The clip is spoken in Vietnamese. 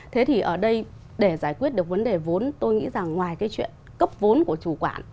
thế thì ở đây để giải quyết được vấn đề vốn tôi nghĩ rằng ngoài cái chuyện cấp vốn của chủ quản